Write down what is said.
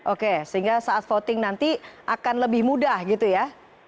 oke sehingga saat voting nanti akan lebih mudah gitu ya